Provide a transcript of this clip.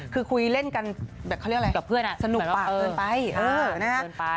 คือคุยเล่นกันเขาเรียกอะไรกับเพื่อนอะสนุกแบบว่าเอิญไป